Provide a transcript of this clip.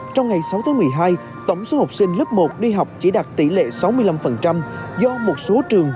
trong ngày sáu tháng một mươi hai tổng số học sinh lớp một đi học chỉ đạt tỷ lệ sáu mươi năm do một số trường